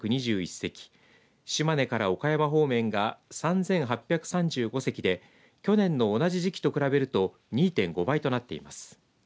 島根から岡山方面が３８３５席で去年の同じ時期と比べると２．５倍となっています。